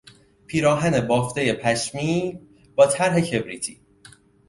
پیراهن بافتهی پشمی با طرح کبریتی